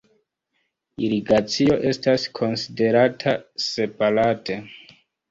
Irigacio estas konsiderata separate.